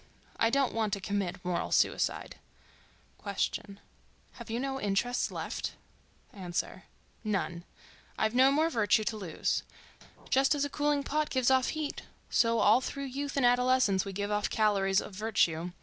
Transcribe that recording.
I don't want to commit moral suicide. Q.—Have you no interests left? A.—None. I've no more virtue to lose. Just as a cooling pot gives off heat, so all through youth and adolescence we give off calories of virtue.